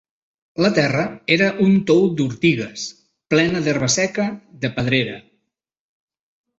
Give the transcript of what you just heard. La terra era un tou d'ortigues, plena d'herba seca, de pedrera